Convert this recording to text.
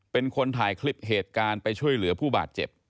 เป็นคนถ่ายคลิปเหตุการณ์ไปช่วยเหลือผู้บาดเจ็บ